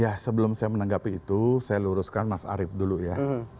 ya sebelum saya menanggapi itu saya luruskan mas arief dulu ya